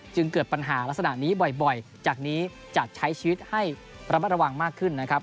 เกิดปัญหาลักษณะนี้บ่อยจากนี้จะใช้ชีวิตให้ระมัดระวังมากขึ้นนะครับ